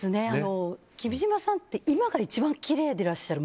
君島さんって今が一番きれいでいらっしゃる。